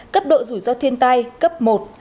cấp độ rủi ro thiên tai cấp một hai